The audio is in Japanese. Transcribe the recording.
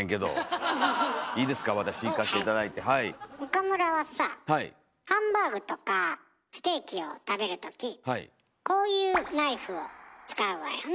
岡村はさぁハンバーグとかステーキを食べるときこういうナイフを使うわよね？